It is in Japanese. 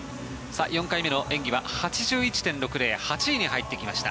４回目の演技は８１．６０８位に入ってきました。